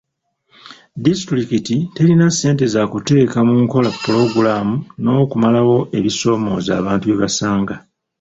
Disitulikiti terina ssente zakuteeka mu nkola pulogulaamu n'okumalawo ebisoomooza abantu bye basanga.